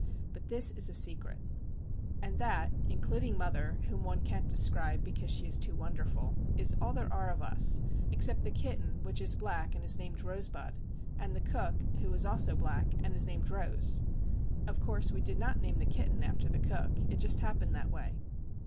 But this is a secret. And that (including mother, whom one can't describe because she is too wonderful) is all there are of us, except the kitten, which is black and is named Rosebud, and the cook, who is also black and is named Rose. Of course, we did not name the kitten after the cook. It just happened that way.